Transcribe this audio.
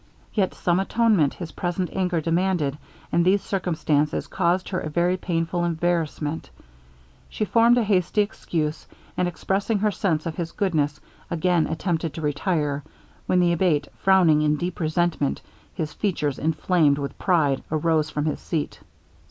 Yet some atonement his present anger demanded, and these circumstances caused her a very painful embarrassment. She formed a hasty excuse; and expressing her sense of his goodness, again attempted to retire, when the Abate frowning in deep resentment, his features inflamed with pride, arose from his seat.